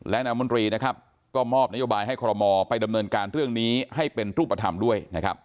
และนามนตรีนะครับก็มอบนโยบายให้คอรมอลไปดำเนินการเรื่องนี้ให้เป็นรูปธรรมด้วยนะครับ